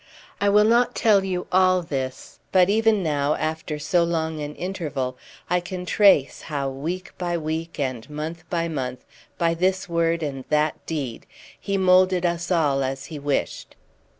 I will not tell you all this; but even now, after so long an interval, I can trace how, week by week and month by month, by this word and that deed, he moulded us all as he wished.